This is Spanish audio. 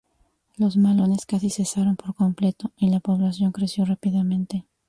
Los malones casi cesaron por completo, y la población creció rápidamente.